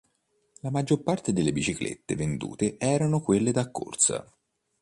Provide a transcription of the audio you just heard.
La maggior parte delle biciclette vendute erano quelle da corsa.